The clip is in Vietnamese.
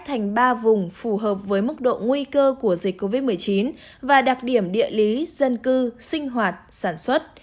thành ba vùng phù hợp với mức độ nguy cơ của dịch covid một mươi chín và đặc điểm địa lý dân cư sinh hoạt sản xuất